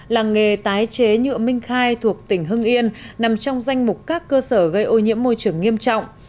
làng nghề tái chế nhựa minh khai thuộc tỉnh hưng yên nằm trong danh mục các cơ sở gây ô nhiễm môi trường nghiêm trọng